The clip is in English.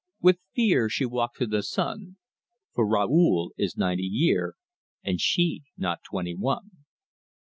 With fear she walks in the sun, For Raoul is ninety year, And she not twenty one."